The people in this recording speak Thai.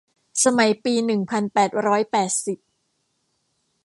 สมัยปีหนึ่งพันแปดร้อยแปดสิบ